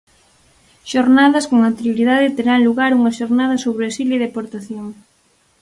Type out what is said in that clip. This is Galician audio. Xornadas Con anterioridade terán lugar unhas xornadas sobre exilio e deportación.